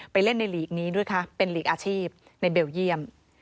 เล่นในหลีกนี้ด้วยคะเป็นหลีกอาชีพในเบลเยี่ยม